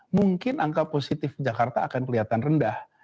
mungkin angka positif jakarta akan kelihatan rendah